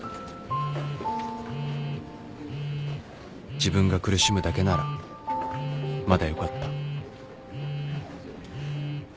自分が苦しむだけならまだよかった